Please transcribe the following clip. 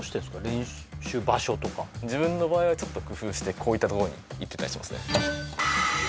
練習場所とか自分の場合はちょっと工夫してこういったとこに行ってたりしますね